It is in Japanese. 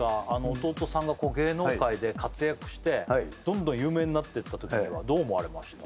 弟さんが芸能界で活躍してどんどん有名になってった時にはどう思われました？